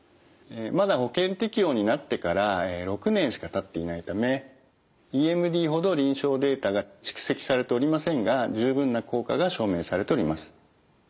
まだ保険適用になってから６年しかたっていないためＥＭＤほど臨床データが蓄積されておりませんが十分な効果が証明されております。